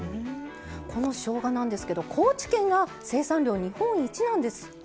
このしょうがなんですけど高知県が生産量日本一なんですって。